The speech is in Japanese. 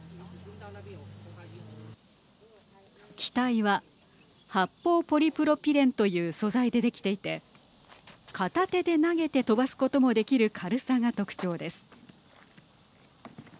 機体は、発泡ポリプロピレンという素材でできていて片手で投げて飛ばすこともできる軽さが特徴です。